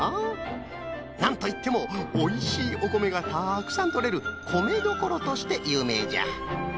なんといってもおいしいおこめがたくさんとれるこめどころとしてゆうめいじゃ。